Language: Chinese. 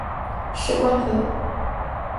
史灌河